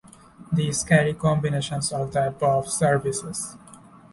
These carry combinations of the above services.